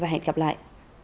hẹn gặp lại